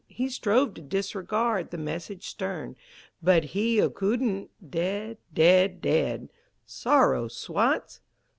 He strove to disregard the message stern, But he Ahkoodn't. Dead, dead, dead; (Sorrow Swats!)